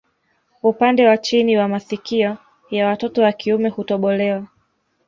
Upande wa chini wa masikio ya watoto wa kiume hutobolewa